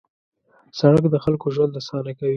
سړک د خلکو ژوند اسانه کوي.